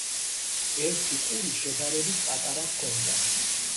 ერთი ყური შედარებით პატარა ჰქონდა.